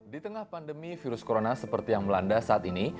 di tengah pandemi virus corona seperti yang melanda saat ini